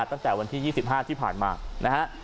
ตั้งแต่วันที่๒๕ที่ผ่านมานะฮะ